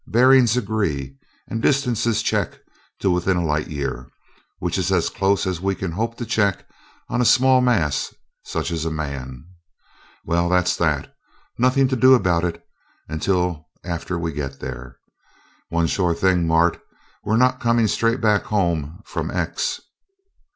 Bearings agree, and distances check to within a light year, which is as close as we can hope to check on as small a mass as a man. Well, that's that nothing to do about it until after we get there. One sure thing, Mart we're not coming straight back home from 'X'."